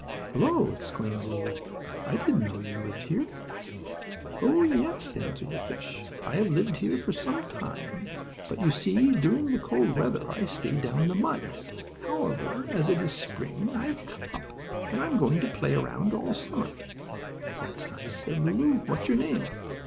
"Hello!" exclaimed Lulu; "I didn't know you lived here." "Oh, yes," answered the fish. "I have lived here for some time, but, you see, during the cold weather I stay down in the mud. However, as it is now spring, I have come up, and I am going to play around all summer." "That's nice," remarked Lulu. "What's your name?"